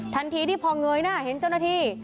ทันทีที่พอเงยหน้าเห็นเจ้าหน้าที่